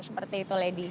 seperti itu lady